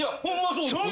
そうですよ。